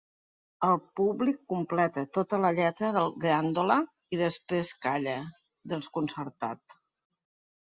El públic completa tota la lletra del “Grândola” i després calla, desconcertat.